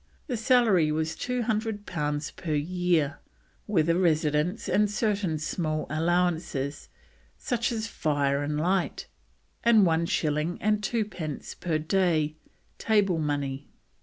The salary was 200 pounds per year, with a residence and certain small allowances such as fire and light, and one shilling and twopence per day table money.